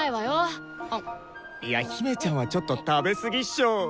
いや姫ちゃんはちょっと食べ過ぎっしょ。